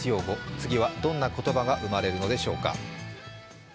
次はどんな言葉が生まれるのでしょうか。